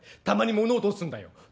たまに物音すんだよ。